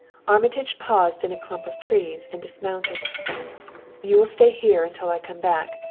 Armitage paused in a clump of trees and dismounted. "You will stay here until I come back.